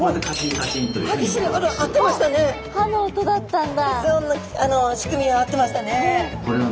発音の仕組みは合ってましたね。